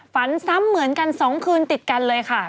ฝันซ้ำเหมือนกัน๒คืนติดกันเลยค่ะ